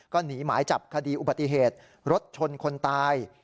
ก็หนีหมายจับคดีอุบัติเหตุรถชนคนตาย